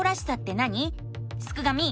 すくがミ！